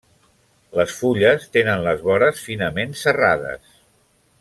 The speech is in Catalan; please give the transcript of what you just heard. Les fulles tenen les vores finament serrades.